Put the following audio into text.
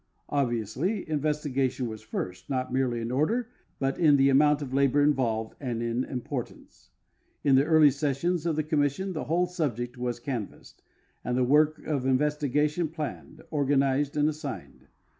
Obviously investigation was first, not merely in order, but in the amount of labor involved and in im portance. In the early sessions of the commission the whole subject was canvassed, and the work of investigation planned, organized, and assigned..